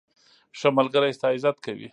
ښه ملګری ستا عزت کوي.